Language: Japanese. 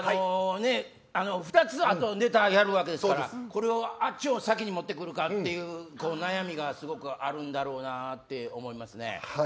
２つ、あとネタやるわけですからあっちを先に持ってくるかという悩みがすごくあるんだろうなと思います。